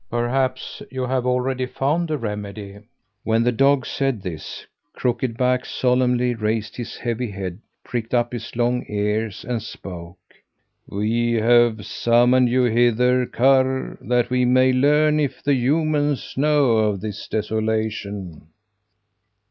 Perhaps you have already found some remedy?" When the dog said this, Crooked Back solemnly raised his heavy head, pricked up his long ears, and spoke: "We have summoned you hither, Karr, that we may learn if the humans know of this desolation."